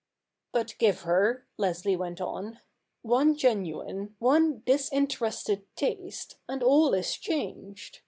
' But give her,' Leslie went on, ' one genuine, one disinterested taste, and all is changed.